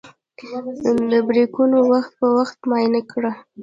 بریکونه وخت په وخت معاینه کړه.